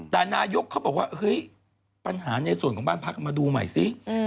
แต่นายกเขาบอกว่าเฮ้ยปัญหาในส่วนของบ้านพักมาดูใหม่ซิ